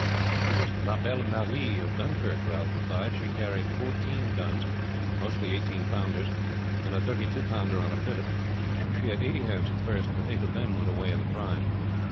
"She was La Belle Marie of Dunkirk," Ralph replied. "She carried fourteen guns, mostly eighteen pounders, and a thirty two pounder on a pivot. She had eighty hands at first, but eight of them went away in the prize."